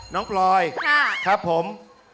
น้องพลอยครับผม